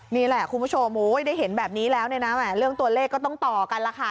นี่แหละคุณผู้ชมได้เห็นแบบนี้แล้วเนี่ยนะเรื่องตัวเลขก็ต้องต่อกันล่ะค่ะ